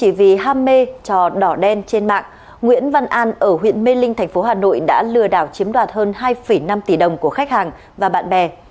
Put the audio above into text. chỉ vì ham mê cho đỏ đen trên mạng nguyễn văn an ở huyện mê linh tp hà nội đã lừa đảo chiếm đoạt hơn hai năm tỷ đồng của khách hàng và bạn bè